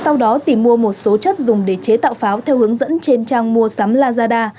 sau đó tìm mua một số chất dùng để chế tạo pháo theo hướng dẫn trên trang mua sắm lazada